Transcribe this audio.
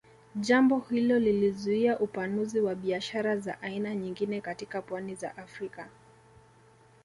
Jambo hilo lilizuia upanuzi wa biashara za aina nyingine katika pwani za Afrika